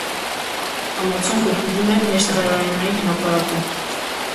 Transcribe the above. Պալացցոն գտնվում է մերձկայարանային հրապարակում։